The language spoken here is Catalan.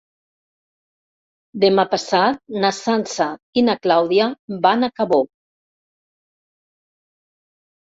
Demà passat na Sança i na Clàudia van a Cabó.